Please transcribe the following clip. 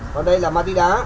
còn đây là mati đá